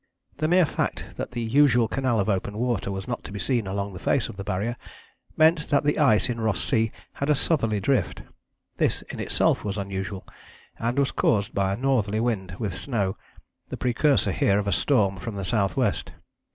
The mere fact that the usual canal of open water was not to be seen along the face of the Barrier meant that the ice in Ross Sea had a southerly drift. This in itself was unusual, and was caused by a northerly wind with snow, the precursor here of a storm from the south west.